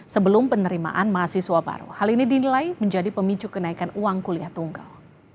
sebelum penerimaan mahasiswa baru hal ini dinilai menjadi pemicu kenaikan uang kuliah tunggal